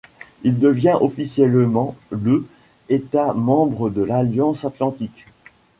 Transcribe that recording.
Il devient officiellement le État membre de l'Alliance atlantique.